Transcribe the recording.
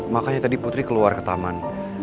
makanya tadi putri keluar ke taman